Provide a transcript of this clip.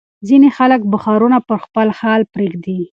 ځینې خلک بخارونه پر خپل حال پرېږدي.